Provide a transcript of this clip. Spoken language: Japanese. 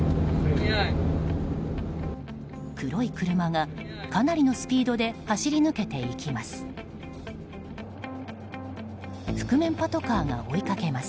黒い車がかなりのスピードで走り抜けていきます。